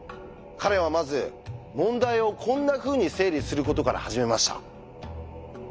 彼はまず問題をこんなふうに整理することから始めました。